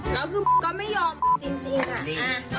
แล้วคือก็ไม่ยอมจริงอะ